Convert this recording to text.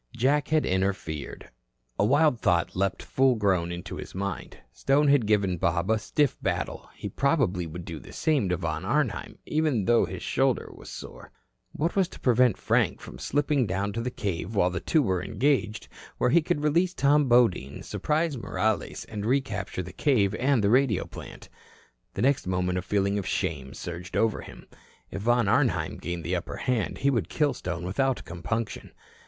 Jack had interfered. A wild thought leaped full grown into his mind. Stone had given Bob a stiff battle; he probably would do the same to Von Arnheim, even though his shoulder was sore. What was to prevent Frank from slipping down to the cave while the two were engaged, where he could release Tom Bodine, surprise Morales and recapture the cave and the radio plant? The next moment a feeling of shame surged over him. If Von Arnheim gained the upper hand, he would kill Stone without compunction.